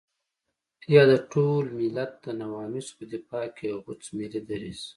يا د ټول ملت د نواميسو په دفاع کې يو غوڅ ملي دريځ.